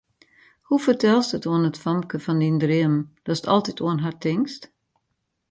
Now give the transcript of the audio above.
Hoe fertelst it oan it famke fan dyn dreamen, datst altyd oan har tinkst?